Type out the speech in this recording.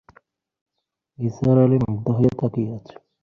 নিসার আলি মুগ্ধ হয়ে তাকিয়ে আছেন।